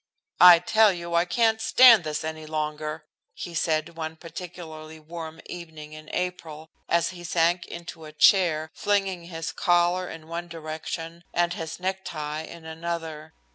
"I tell you I can't stand this any longer," he said one particularly warm evening in April, as he sank into a chair, flinging his collar in one direction and his necktie in another.